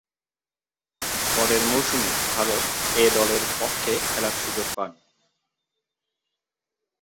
পরের মৌসুমে ভারত এ-দলের পক্ষে খেলার সুযোগ পান।